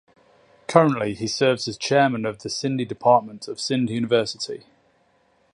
Currently he serves as Chairman of Sindhi department of Sindh university.